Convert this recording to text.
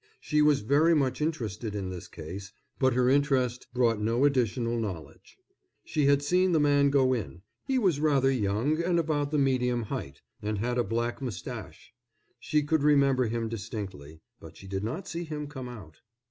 She was very much interested in this case, but her interest brought no additional knowledge. She had seen the man go in; he was rather young and about the medium height, and had a black mustache; she could remember him distinctly, but she did not see him come out.